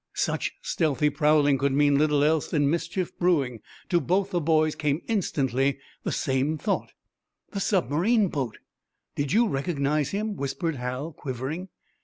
Such stealthy prowling could mean little else than mischief brewing. To both the boys came instantly the same thought: "The submarine boat!" "Did you recognize him?" whispered Hal, quivering.